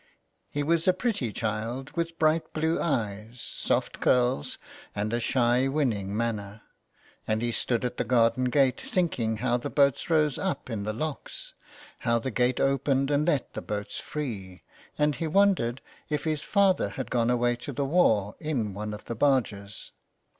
He was a pretty child with bright blue eyes, soft curls, and a shy winning manner, and he stood at the garden gate thinking how the boats rose up in the locks, how the gate opened and let the boats free, and he wondered if his father had gone away to the war in one of the barges.